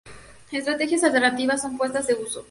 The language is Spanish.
Estrategias alternativas son puestas en uso.